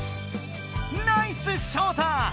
ナイスショウタ！